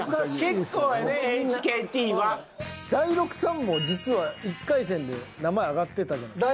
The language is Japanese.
結構やで「ＨＫＴ」は。大六さんも実は１回戦で名前挙がってたじゃないですか。